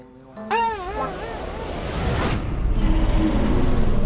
นี่เหนื่อยมาเลยนี่